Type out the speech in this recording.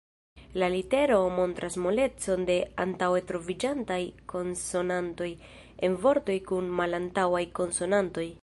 La litero o montras molecon de antaŭe troviĝantaj konsonantoj en vortoj kun malantaŭaj konsonantoj.